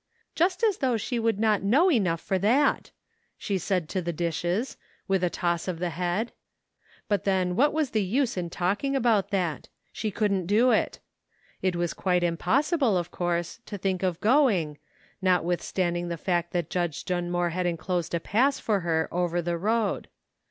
"Just as though she would not know enough for that !" she said to the dishes, with a toss of the head. But then what was the 10 DISAPPOINTMENT. use in talking about that? she couldn't do it. It was quite impossible of course to think of going, notwithstanding the fact that Judge Dunmore had inclosed a pass for her over the road.